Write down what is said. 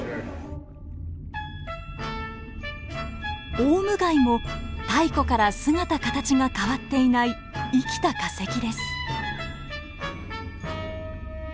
オウムガイも太古から姿形が変わっていない生きた化石です。